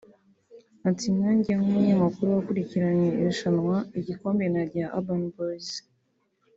Ati “Nkanjye nk’umunyamakuru wakurikiranye irushanwa igikombe nagiha Urban Boyz